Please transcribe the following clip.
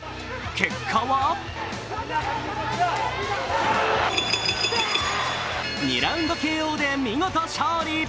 結果は２ラウンドＫＯで見事勝利。